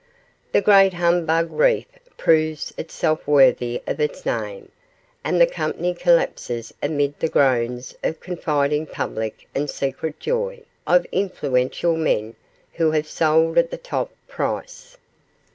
The Great Humbug Reef proves itself worthy of its name, and the company collapses amid the groans of confiding public and secret joy of influential men, who have sold at the top price.